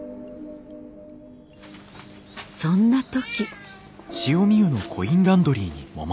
そんな時。